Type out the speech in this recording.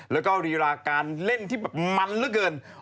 แล้วก็รีราการเล่นที่แบบมันเหลือเกิน